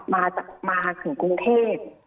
แต่พอเขากลับมาถึงกรุงเทพฯ